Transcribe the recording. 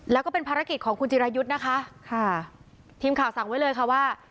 แล้วก็เป็นภารกิจของคุณจิรายุทธ์นะคะค่ะทีมข่าวสั่งไว้เลยค่ะว่า